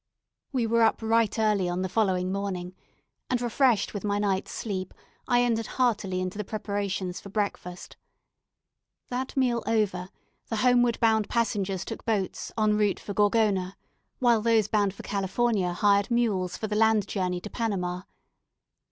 We were up right early on the following morning; and refreshed with my night's sleep, I entered heartily into the preparations for breakfast. That meal over, the homeward bound passengers took boats en route for Gorgona, while those bound for California hired mules for the land journey to Panama.